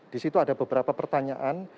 di situ ada beberapa pertanyaan